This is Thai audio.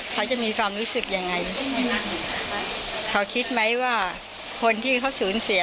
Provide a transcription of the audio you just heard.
เขาจะมีความรู้สึกยังไงเขาคิดไหมว่าคนที่เขาสูญเสีย